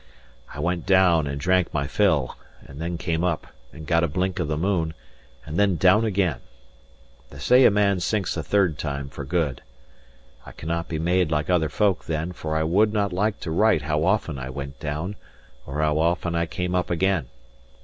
I went down, and drank my fill, and then came up, and got a blink of the moon, and then down again. They say a man sinks a third time for good. I cannot be made like other folk, then; for I would not like to write how often I went down, or how often I came up again.